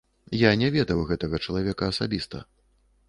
Я не ведаў гэтага чалавека асабіста.